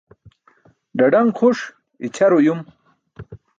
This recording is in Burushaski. Ḍaḍaṅ xuṣ ićʰar uyum